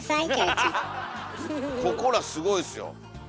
ここらすごいっすよ。